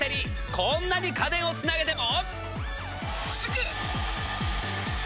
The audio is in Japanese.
こんなに家電をつなげても？